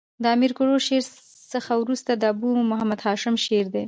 د امیر کروړ شعر څخه ورسته د ابو محمد هاشم شعر دﺉ.